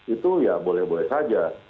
itu ya boleh boleh saja